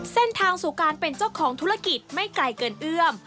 เส้นทางสู่การเป็นเจ้าของธุรกิจไม่ไกลเกินเอื้อม